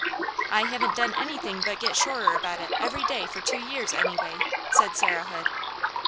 "I haven't done anything but get surer about it every day for two years, anyway," said Sarah Hood.